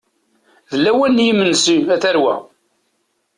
D lawan n yimensi, a tarwa.